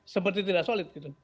seperti tidak solid gitu